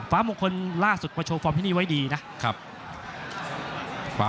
มงคลล่าสุดมาโชว์ฟอร์มที่นี่ไว้ดีนะครับ